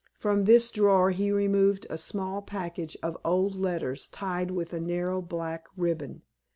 From this drawer he removed a small package of old letters tied with a narrow black ribbon.